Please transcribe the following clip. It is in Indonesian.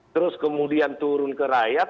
terus kemudian turun ke rakyat